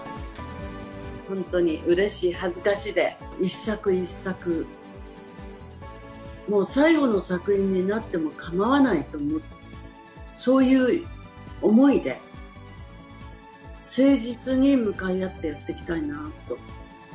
本当にうれし恥ずかしで一作一作、もう最後の作品になってもかまわないと思って、そういう思いで、誠実に向かい合ってやっていきたいなと。